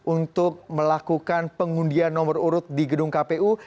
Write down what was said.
untuk melakukan pengundian nomor urut di gedung kpu